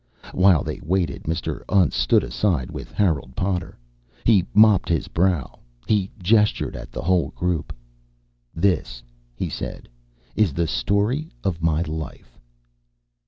While they waited Mr. Untz stood aside with Harold Potter. He mopped his brow he gestured at the whole group. "This," he said, "is the story of my life."